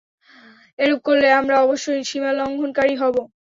এরূপ করলে আমরা অবশ্যই সীমালংঘনকারী হব।